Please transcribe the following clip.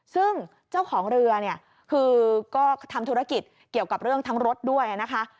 ซึ่งเจ้าของเรือเนี่ยคือก็ทำธุรกิจเกี่ยวกับเรื่องทั้งรถด้วยนะคะ